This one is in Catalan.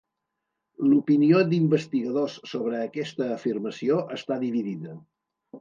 L'opinió d'investigadors sobre aquesta afirmació està dividida.